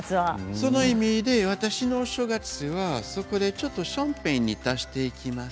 その意味で私のお正月では、ちょっとシャンパンを足していきます。